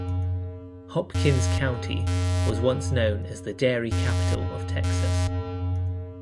Hopkins County was once known as the Dairy Capital of Texas.